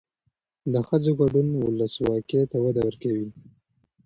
د ښځو ګډون ولسواکۍ ته وده ورکوي.